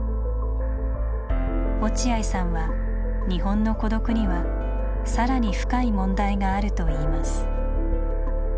落合さんは日本の「孤独」には更に深い問題があると言います。